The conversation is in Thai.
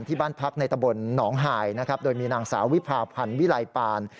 ที่บ้านพักในตะวนหนองหายโดยมีนางสาววิพาพันธ์วิไลปาน